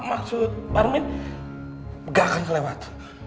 maksud parmen gak akan kelewat